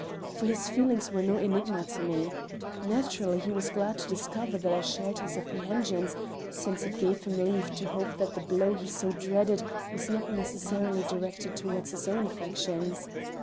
For his feelings were no enigma to me. Naturally he was glad to discover that I shared his apprehensions, since it gave him leave to hope that the blow he so dreaded was not necessarily directed toward his own affections.